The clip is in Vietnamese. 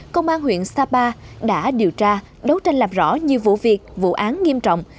công an huyện sapa đã điều tra đấu tranh làm rõ nhiều vụ việc vụ án nghiêm trọng